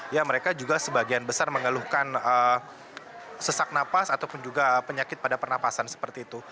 ya mereka juga sebagian besar mengeluhkan sesak napas ataupun juga penyakit pada pernapasan seperti itu